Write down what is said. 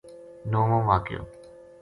نُووو واقعو